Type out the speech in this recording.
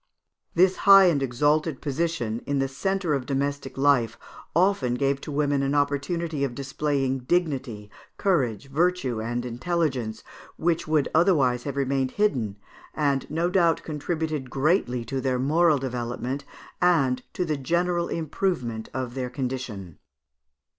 This high and exalted position, in the centre of domestic life, often gave to women an opportunity of displaying dignity, courage, virtue, and intelligence, which would otherwise have remained hidden, and, no doubt, contributed greatly to their moral development, and to the general improvement of their condition.